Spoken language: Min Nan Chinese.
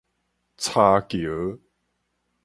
柴橋